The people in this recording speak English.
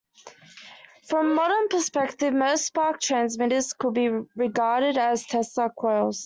From a modern perspective, most spark transmitters could be regarded as Tesla coils.